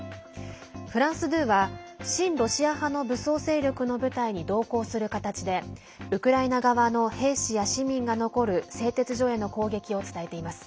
フランス２は親ロシア派の武装勢力の部隊に同行する形でウクライナ側の兵士や市民が残る製鉄所への攻撃を伝えています。